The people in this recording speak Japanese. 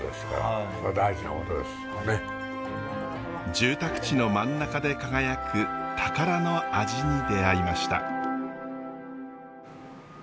住宅地の真ん中で輝く宝の味に出会いました。